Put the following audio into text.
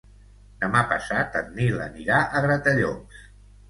Demà passat en Nil anirà a Gratallops.